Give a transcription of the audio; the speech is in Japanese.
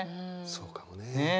そうかもね。